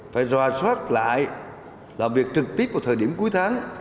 phải ròa soát lại làm việc trực tiếp vào thời điểm cuối tháng